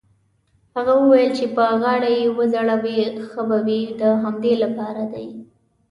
هغه وویل: چې په غاړه يې وځړوې ښه به وي، د همدې لپاره دی.